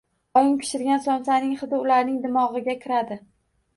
Oying pishirgan somsaning hidi ularning dimogʻiga kiradi